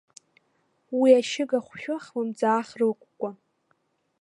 Уи ашьыга-хәшәы хлымӡаах рылкәкәон.